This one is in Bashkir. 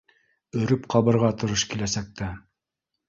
— Өрөп ҡабырға тырыш киләсәктә